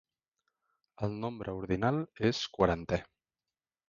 El nombre ordinal és quarantè.